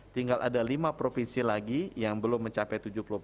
tinggal ada lima provinsi lagi yang belum mencapai tujuh puluh empat